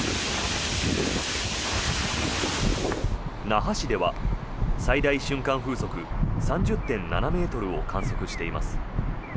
那覇市では最大瞬間風速３０．７ｍを観測しています。